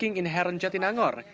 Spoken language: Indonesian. yang berada di kampung catinangor